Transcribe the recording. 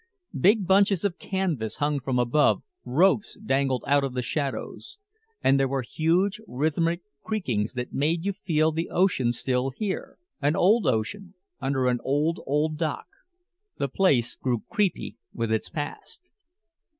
Big bunches of canvas hung from above, ropes dangled out of the shadows. And there were huge rhythmic creakings that made you feel the ocean still here, an old ocean under an old, old dock. The place grew creepy with its past.